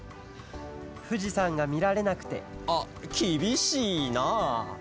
ふじさんがみられなくてあっきびしいな！